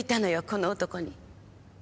この男に。